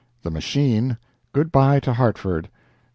THE MACHINE. GOOD BY TO HARTFORD.